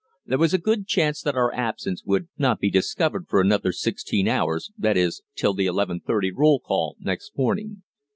There was a good chance that our absence would not be discovered for another sixteen hours, that is, till the 11.30 roll call next morning.